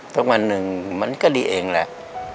สักวันหนึ่งมันก็ดีเองแหละ